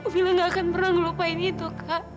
mila gak akan pernah lupain itu kak